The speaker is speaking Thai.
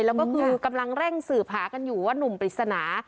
แล้วก็คือกำลังเร่งสืบหากันอยู่ว่านุ่มปริศนา